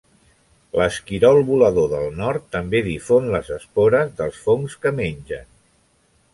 L'esquirol volador del nord també difon les espores dels fongs que mengen.